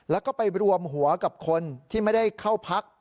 แล้วก็ไปรวมหัวกับคนที่ไม่ได้เข้าพัก